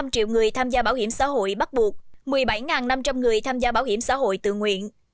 một mươi triệu người tham gia bảo hiểm xã hội bắt buộc một mươi bảy năm trăm linh người tham gia bảo hiểm xã hội tự nguyện